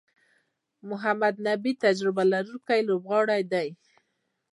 محمد نبي تجربه لرونکی لوبغاړی دئ.